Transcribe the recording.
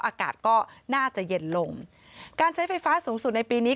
อากาศก็น่าจะเย็นลงการใช้ไฟฟ้าสูงสุดในปีนี้